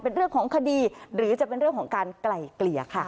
เป็นเรื่องของคดีหรือจะเป็นเรื่องของการไกล่เกลี่ยค่ะ